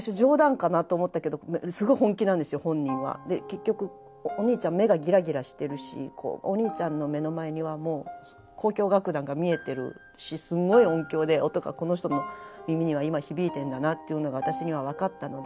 で結局お兄ちゃん目がギラギラしてるしお兄ちゃんの目の前にはもう交響楽団が見えてるしすんごい音響で音がこの人の耳には今響いてんだなというのが私には分かったので。